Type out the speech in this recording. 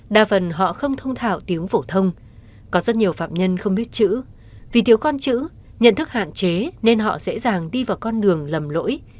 đa phần họ không thông thảo tiếng phổ thông có rất nhiều phạm nhân không biết chữ vì thiếu con chữ nhận thức hạn chế nên họ dễ dàng đi vào con đường lầm lỗi